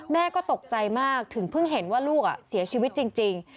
แม่ก็ตกใจมากถึงเพิ่งเห็นว่าลูกเสียชีวิตจริง